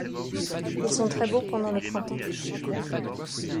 Ils sont très beaux pendant le printemps.